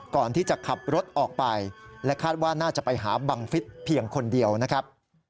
ก่อนที่จะขับรถออกไปและคาดว่าน่าจะไปหาบังฟิศเพียงคนเดียวนะครับ